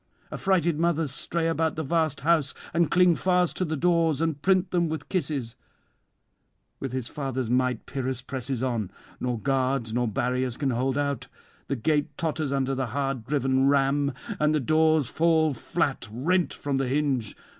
Affrighted mothers stray about the vast house, and cling fast to the doors and print them with kisses. With his father's might Pyrrhus presses on; nor guards nor barriers can hold out. The gate totters under the hard driven ram, and the doors fall flat, rent from the hinge.